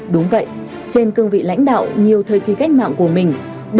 đúng vậy trên cương vị lãnh đạo nhiều thời kỳ cách mạng của mình